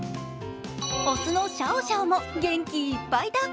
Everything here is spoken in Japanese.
オスのシャオシャオも元気いっぱいだ。